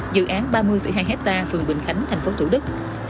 sáu dự án ba mươi hai hectare phường quỳnh khánh tp thủ đức